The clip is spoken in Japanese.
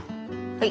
はい！